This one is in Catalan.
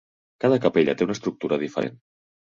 Cada capella té una estructura diferent.